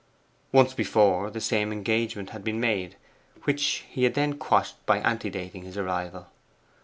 Once before the same engagement had been made, which he had then quashed by ante dating his arrival.